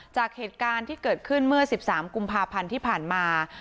จากเหตุการณ์ที่เกิดขึ้นเมื่อ๑๓กุมภาพันธ์ที่ผ่านมา